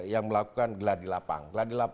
yang melakukan gladi lapang